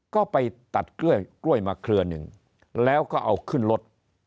ก็ไปตัดกล้วยมาเครือหนึ่งแล้วก็เอาขึ้นรถ